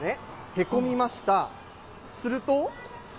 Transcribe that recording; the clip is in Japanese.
へこみました、すると。